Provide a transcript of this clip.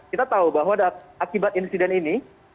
kita tahu bahwa akibat insiden ini